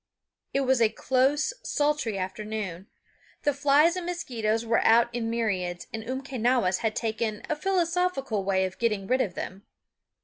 It was a close, sultry afternoon; the flies and mosquitos were out in myriads, and Umquenawis had taken a philosophical way of getting rid of them.